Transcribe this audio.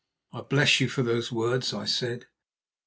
"I bless you for those words," I said.